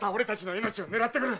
命を狙ってくる。